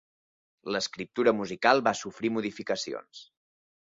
L'escriptura musical va sofrir modificacions.